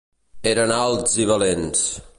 Eren alts i valents.